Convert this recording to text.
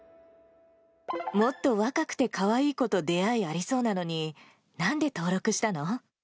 もっと若くてかわいい子と出会いありそうなのに、なんで登録したの？